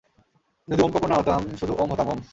যদি ওম কাপুর না হতাম, শুধু ওম হতাম ওম।